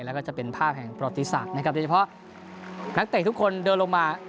แล้วก็จะเป็นภาพแห่งประติศาสตร์นะครับโดยเฉพาะนักเตะทุกคนเดินลงมา